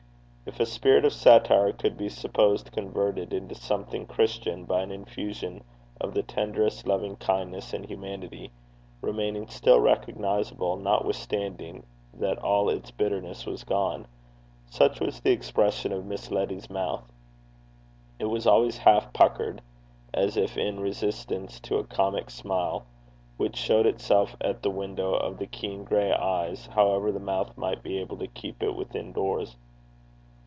If a spirit of satire could be supposed converted into something Christian by an infusion of the tenderest loving kindness and humanity, remaining still recognizable notwithstanding that all its bitterness was gone, such was the expression of Miss Letty's mouth. It was always half puckered as if in resistance to a comic smile, which showed itself at the windows of the keen gray eyes, however the mouth might be able to keep it within doors.